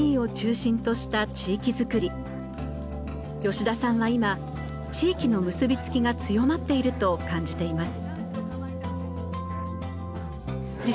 吉田さんは今地域の結び付きが強まっていると感じています。